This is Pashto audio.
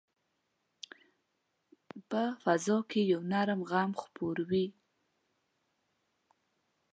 په فضا کې یو نرم غم خپور وي